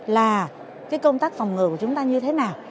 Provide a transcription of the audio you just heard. là cái công tác phòng ngừa của chúng ta như thế nào